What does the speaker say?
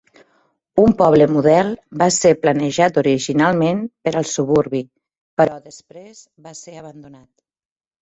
Un poble model va ser planejat originalment per al suburbi però després va ser abandonat.